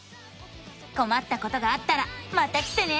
こまったことがあったらまた来てね！